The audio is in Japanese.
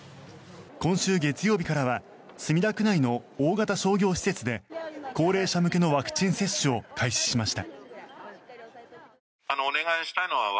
今週月曜日から墨田区内の大型商業施設で高齢者向けのワクチン接種を開始しました。